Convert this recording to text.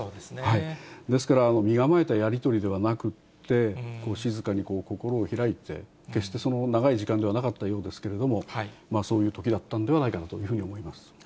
ですから、身構えたやり取りではなくて、静かに心を開いて、決して長い時間ではなかったようですけれども、そういうときだったんではないかなというふうに思います。